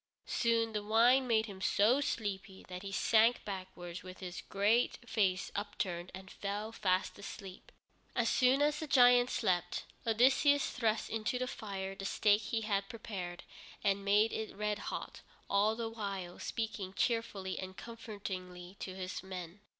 Soon the wine made him so sleepy that he sank backwards with his great face upturned and fell fast asleep. As soon as the giant slept, Odysseus thrust into the fire the stake he had prepared, and made it red hot, all the while speaking cheerfully and comfortingly to his men.